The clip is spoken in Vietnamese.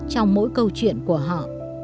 trong mỗi câu chuyện của họ